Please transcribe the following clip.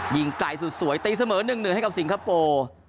ยิงไกลสุดสวยตีเสมอ๑๑ให้กับสิงคโปร์